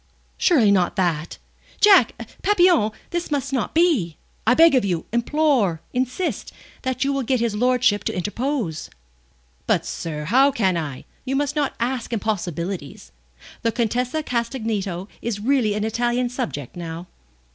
"Surely not that? Jack Papillon this must not be. I beg of you, implore, insist, that you will get his lordship to interpose." "But, sir, how can I? You must not ask impossibilities. The Contessa Castagneto is really an Italian subject now."